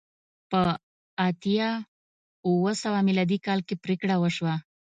په اتیا اوه سوه میلادي کال کې پرېکړه وشوه